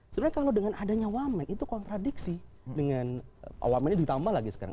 sebenarnya kalau dengan adanya wamen itu kontradiksi dengan wamennya ditambah lagi sekarang